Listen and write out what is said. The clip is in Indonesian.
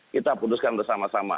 kita putuskan bersama sama